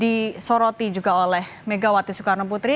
disoroti juga oleh megawati soekarno putri